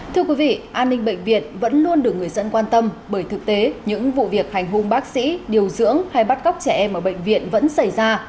thưa quý vị an ninh bệnh viện vẫn luôn được người dân quan tâm bởi thực tế những vụ việc hành hung bác sĩ điều dưỡng hay bắt cóc trẻ em ở bệnh viện vẫn xảy ra